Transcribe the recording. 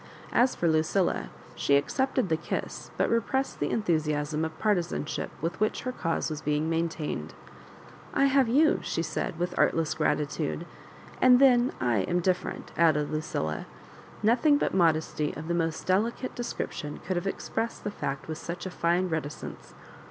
As for Lucilla, she accepted the kiss, but repressed the enthusi asm of partisanship with which her cause was being maintained. "I have you," she said, with artless grati tude; "and then I am different, added Lucilla. Nothing but modesty of the most delicate de scription could have expressed the fact with such a fine reticence.